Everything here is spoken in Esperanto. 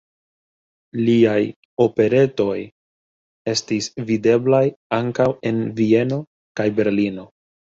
Liaj operetoj estis videblaj ankaŭ en Vieno kaj Berlino.